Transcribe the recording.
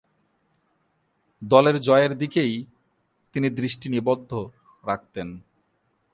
দলের জয়ের দিকেই তিনি দৃষ্টি নিবদ্ধ রাখতেন।